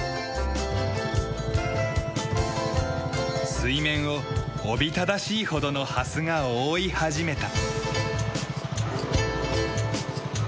水面をおびただしいほどのハスが覆い始めた。